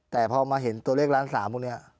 แต่พอมาเห็นตัวเลขล้าน๓พวกนี้